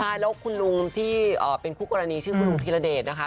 ใช่แล้วคุณลุงที่เป็นคู่กรณีชื่อคุณลุงธีรเดชนะคะ